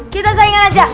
kita saingan aja